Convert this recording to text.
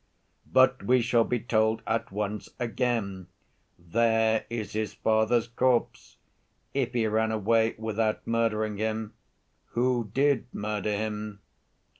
"But we shall be told at once again, 'There is his father's corpse! If he ran away without murdering him, who did murder him?